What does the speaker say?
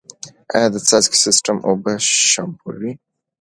آیا د څاڅکي سیستم اوبه سپموي؟